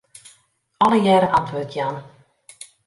Allegearre antwurd jaan.